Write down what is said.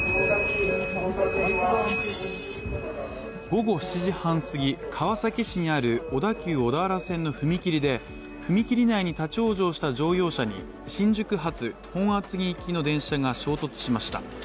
午後７時半すぎ、川崎市にある小田急小田原線の踏切で踏切内に立ち往生した乗用車が新宿発、本厚木行きの電車が衝突しました。